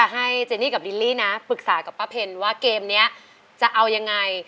ให้เจนี่กับลิลลี่นะปรึกษากับป้าเพลว่าเกมนี้จะเอายังไง